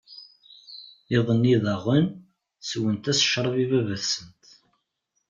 Iḍ-nni daɣen, sswent-as ccṛab i Baba-tsent.